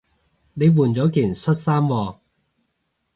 你換咗件恤衫喎